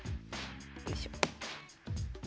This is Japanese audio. よいしょ。